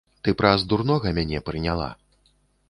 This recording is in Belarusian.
Ты праз дурнога мяне прыняла!